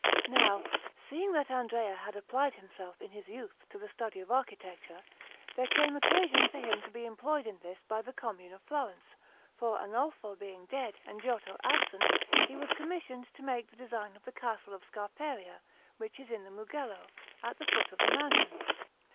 Now, seeing that Andrea had applied himself in his youth to the study of architecture, there came occasion for him to be employed in this by the Commune of Florence; for Arnolfo being dead and Giotto absent, he was commissioned to make the design of the Castle of Scarperia, which is in the Mugello, at the foot of the mountains.